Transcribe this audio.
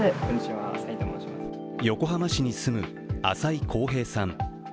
横浜市に住む浅井晃平さん。